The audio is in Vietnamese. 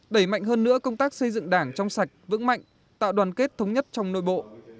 đẩy mạnh hơn nữa công tác xây dựng đảng trong sạch vững mạnh tạo đoàn kết thống nhất trong nội bộ